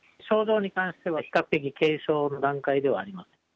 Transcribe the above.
症状に関しては比較的軽症の段階ではあります。